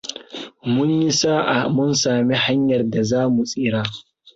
Mun yi sa'a mun sami hanyar da za mu tsira.